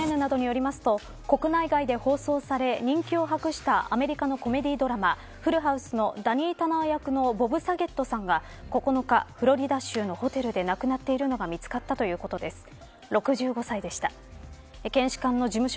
ＣＮＮなどによりますと国内外で放送され人気を博したアメリカのコメディードラマフルハウスのダニー・タナー役のボブ・サゲットさんが９日フロリダ州のホテルで亡くなっているのが見つかったということです。